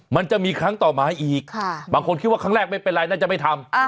มันจะมีครั้งต่อมาอีกบางคนคิดว่าครั้งแรกไม่เป็นไรน่าจะไม่ทำ